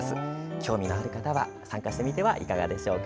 興味のある方は参加してみてはいかがでしょうか。